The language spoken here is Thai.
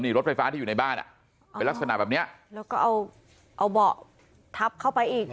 นี่รถไฟฟ้าที่อยู่ในบ้านอ่ะเป็นลักษณะแบบเนี้ยแล้วก็เอาเอาเบาะทับเข้าไปอีก